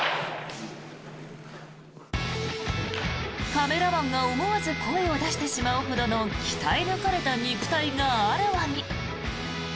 カメラマンが思わず声を出してしまうほどの鍛え抜かれた肉体があらわに。